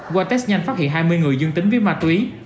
qua test nhanh phát hiện hai mươi người dương tính với ma túy